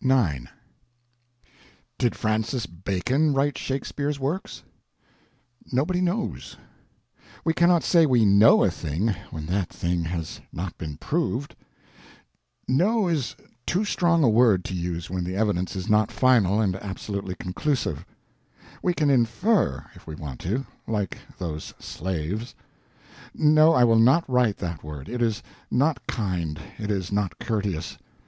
IX Did Francis Bacon write Shakespeare's Works? Nobody knows. We cannot say we know a thing when that thing has not been proved. Know is too strong a word to use when the evidence is not final and absolutely conclusive. We can infer, if we want to, like those slaves.... No, I will not write that word, it is not kind, it is not courteous.